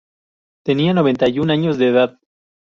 Tenía noventa y un años de edad.